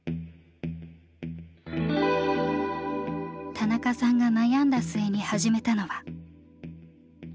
田中さんが悩んだ末に始めたのは。